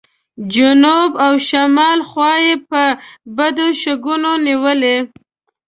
جنوب او شمال خوا یې په بد شګون نیولې.